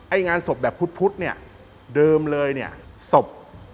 งานศพแบบพุธเนี่ยเดิมเลยเนี่ยศพ